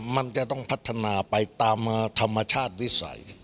มันจะต้องพัฒนาไปตามธรรมชาติวิสัย